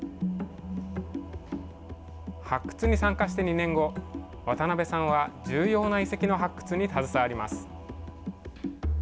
発掘に参加して２年後渡邊さんは重要な遺跡の発掘に携わります。